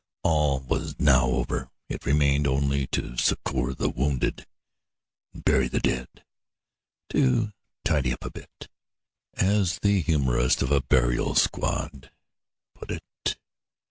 All was now over; it remained only to succor the wounded and bury the dead to "tidy up a bit," as the humorist of a burial squad put it.